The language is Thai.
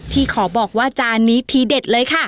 ขอบอกว่าจานนี้ทีเด็ดเลยค่ะ